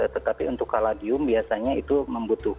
tetapi untuk kaladium biasanya itu membutuhkan